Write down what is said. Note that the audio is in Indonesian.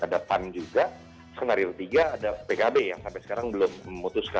ada pan juga skenario tiga ada pkb yang sampai sekarang belum memutuskan